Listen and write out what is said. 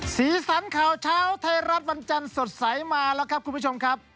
สีสันข่าวเช้าไทยรัฐวันจันทร์สดใสมาแล้วครับคุณผู้ชมครับ